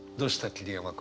桐山君。